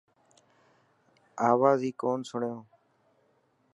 آواز هئي ڪون سڻيو.